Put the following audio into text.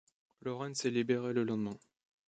Lorentz est libéré le lendemain.